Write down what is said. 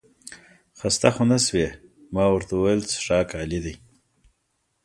خسته خو نه شوې؟ ما ورته وویل څښاک عالي دی.